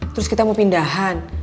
terus kita mau pindahan